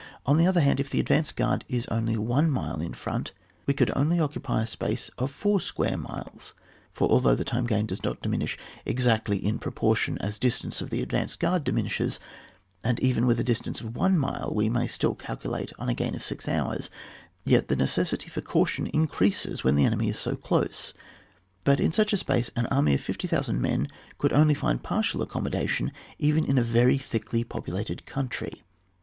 On the other hand, if the advanced guard ia only one mile in &ont, we could only occupy a space of four square miles ; for although the time gained does not diminish exactly in proportion as the distance of tho advanced guard dimin ishes, and even with a distance of one mile we may still calculate on a gain of six hours, yet the necessity for caution increases when the enemy is so close. But in such a space an army of 50,000 men could only nnd partial accommoda tion, even in a very thickly populated country.